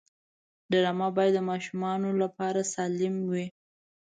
ډرامه باید د ماشومانو لپاره سالم وي